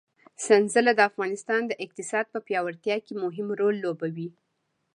سنځله د افغانستان د اقتصاد په پیاوړتیا کې مهم رول لوبوي.